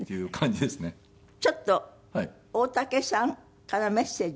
ちょっと大竹さんからメッセージが。